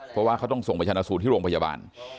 เพราะว่าเขาต้องส่งไปชนะสูตรที่โรงพยาบาล